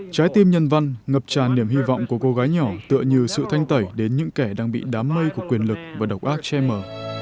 trái tim nhân văn ngập tràn niềm hy vọng của cô gái nhỏ tựa như sự thanh tẩy đến những kẻ đang bị đám mây của quyền lực và độc ác che mở